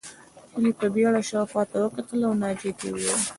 هيلې په بېړه شا او خواته وکتل او ناجيې ته وویل